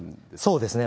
そうですね。